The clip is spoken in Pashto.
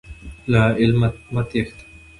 له علمه مه تښته.